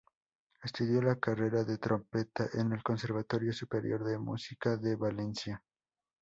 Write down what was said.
Estudió la carrera de trompeta en el Conservatorio Superior de Música de Valencia.